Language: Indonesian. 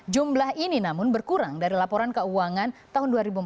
jumlah ini namun berkurang dari laporan keuangan tahun dua ribu empat belas